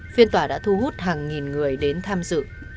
phiên tòa đã thu hút hàng nghìn người đến tham dự